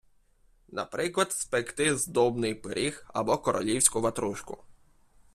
Наприклад, спекти здобний пиріг або королівську ватрушку.